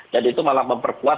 dan itu malah memperkuat